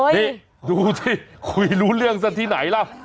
นี่ดูสิคุยรู้เรื่องซะที่ไหนล่ะ